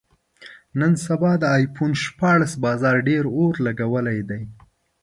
نن سبا د ایفون شپاړس بازار ډېر اور لګولی دی.